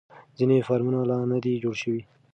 ځینې فارمونه لا نه دي جوړ شوي.